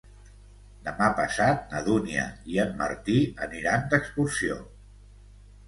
Demà passat na Dúnia i en Martí aniran d'excursió.